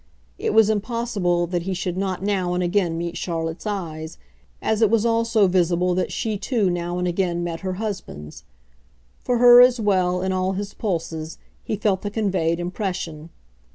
It was impossible that he should not now and again meet Charlotte's eyes, as it was also visible that she too now and again met her husband's. For her as well, in all his pulses, he felt the conveyed impression.